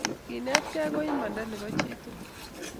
kenetkei ko imanda nopo chitukul